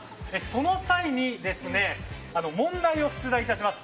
その際に問題を出題致します。